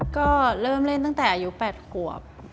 ก็เริ่มเล่นตั้งแต่อายุ๘ขวบ